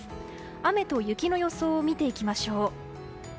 雨と雪の予想を見ていきましょう。